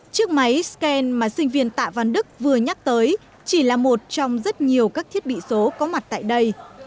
chiếc máy scan mà sinh viên tạ văn đức vừa nhắc tới chỉ là một trong rất nhiều các thiết bị số có mặt tại đây